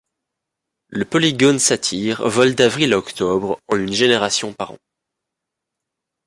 Le Polygone satyre vole d'avril à octobre en une génération par an.